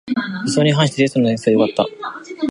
予想に反してテストの点数は良かった